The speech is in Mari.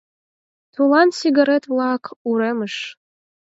Тулан сигарет-влак уремыш